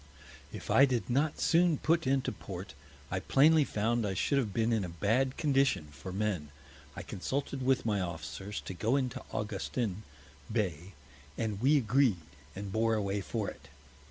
If I did not soon put into Port, I plainly found I should have been in a bad Condition, for Men; I consulted with my Officers, to go into Augustin Bay, and we agreed, and bore away for it.